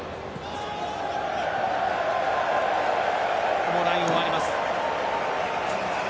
ここはラインを割ります。